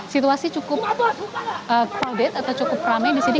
situasi cukup crowded atau cukup ramai di sini